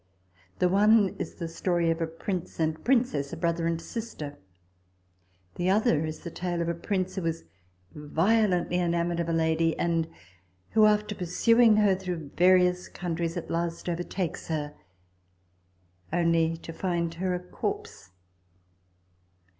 The one is the story of a prince and princess, a brother and sister. The other is the tale of a prince who is violently enamoured of a lady ; and who, after pursuing her through various countries, at last overtakes her only to find her a corpse.